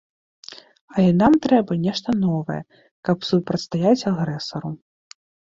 Але нам трэба нешта новае, каб супрацьстаяць агрэсару.